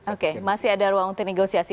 oke masih ada ruang untuk negosiasi